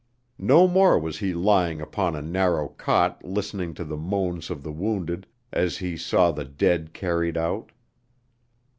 No more was he lying upon a narrow cot listening to the moans of the wounded as he saw the dead carried out!